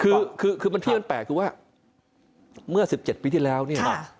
คือคือคือคือมันที่มันแปลกคือว่าเมื่อสิบเจ็ดปีที่แล้วเนี่ยค่ะ